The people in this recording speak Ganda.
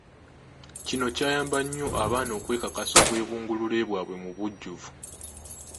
Kino kyayamba nnyo abaana okwekakasa obwebungulule bwabwe mu bujjuvu.